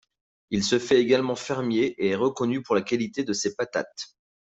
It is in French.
Il se fait également fermier et est reconnu pour la qualité de ses patates.